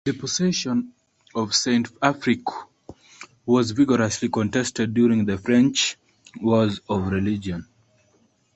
The possession of Saint-Affrique was vigorously contested during the French Wars of Religion.